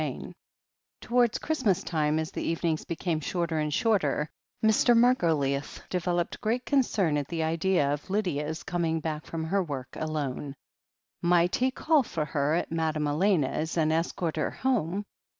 XI Towards Christmas time, as the evenings became shorter and shorter, Mr. Margoliouth developed great concern at the idea of Lydia's coming back from her work alone. Might he call for her at Madame Elena's, and escort her home?